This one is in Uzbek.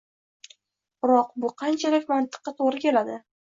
Biroq bu qanchalik mantiqqa to‘g‘ri keldi?